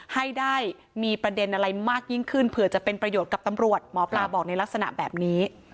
ให้ได้มีประเด็นอะไรมากยิ่งขึ้นเผื่อจะเป็นประโยชน์กับตำรวจหมอปลาบอกในลักษณะแบบนี้